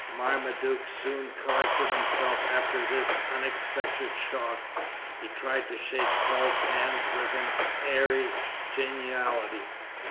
Marmaduke soon collected himself after this unexpected shock; he tried to shake Paul's hands with an airy geniality.